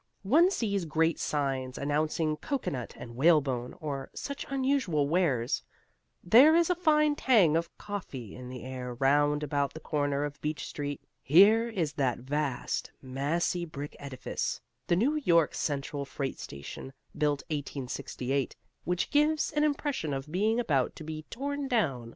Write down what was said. One sees great signs announcing cocoanut and whalebone or such unusual wares; there is a fine tang of coffee in the air round about the corner of Beach Street. Here is that vast, massy brick edifice, the New York Central freight station, built 1868, which gives an impression of being about to be torn down.